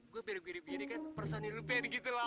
gue biri biri birikan personil ben gitu loh